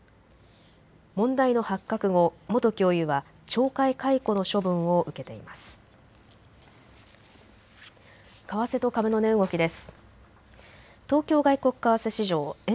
問題の発覚後、元教諭は懲戒解雇の処分を受けています。